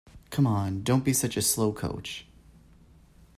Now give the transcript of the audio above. Come on! Don't be such a slowcoach!